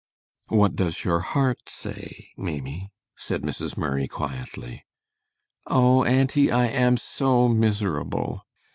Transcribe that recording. "What does your heart say, Maimie?" said Mrs. Murray, quietly. "Oh, auntie, I am so miserable!"